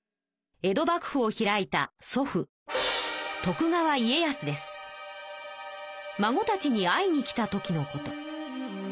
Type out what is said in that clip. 江戸幕府を開いた祖父孫たちに会いに来た時のこと。